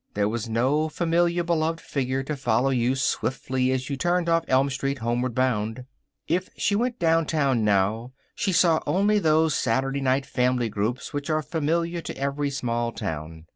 There was no familiar, beloved figure to follow you swiftly as you turned off Elm Street, homeward bound. If she went downtown now, she saw only those Saturday night family groups which are familiar to every small town.